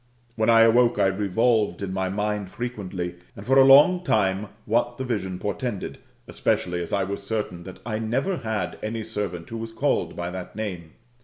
When I awoke, I revolved in my mind frequently, and for a long time, what the vision portended, especially as I was certain that I never had any servant who was called by that name.